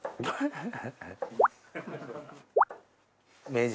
名人？